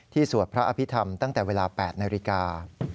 สวดพระอภิษฐรรมตั้งแต่เวลา๘นาฬิกา